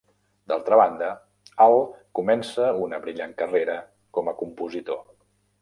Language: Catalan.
D'altra banda, Al comença una brillant carrera com a compositor.